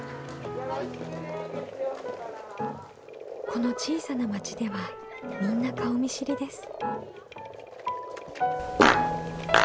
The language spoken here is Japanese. この小さな町ではみんな顔見知りです。